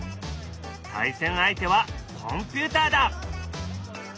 対戦相手はコンピューターだ。